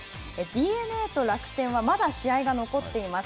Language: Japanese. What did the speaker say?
ＤｅＮＡと楽天は、まだ試合が残っています。